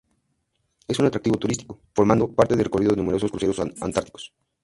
Es un atractivo turístico, formando parte del recorrido de numerosos cruceros antárticos.